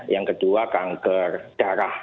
yang kedua kanker darah